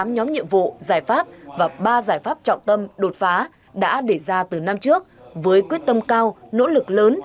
tám nhóm nhiệm vụ giải pháp và ba giải pháp trọng tâm đột phá đã để ra từ năm trước với quyết tâm cao nỗ lực lớn